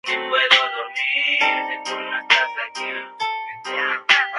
Miles concertó una cita de Sawyer con Charlotte.